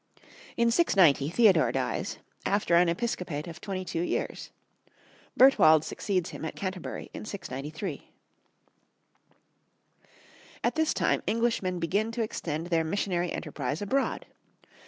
In 690 Theodore dies, after an episcopate of twenty two years. Bertwald succeeds him at Canterbury in 693. At this time Englishmen begin to extend their missionary enterprise abroad.